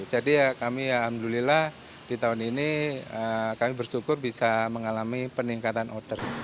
jadi kami alhamdulillah di tahun ini kami bersyukur bisa mengalami peningkatan order